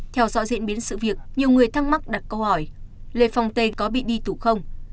theo dõi diễn biến sự việc nhiều người thắc mắc đặt câu hỏi lê phòng tê có bị đi tù không